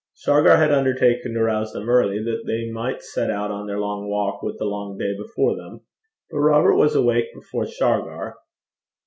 Shargar had undertaken to rouse them early, that they might set out on their long walk with a long day before them. But Robert was awake before Shargar.